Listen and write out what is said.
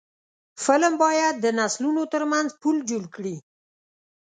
فلم باید د نسلونو ترمنځ پل جوړ کړي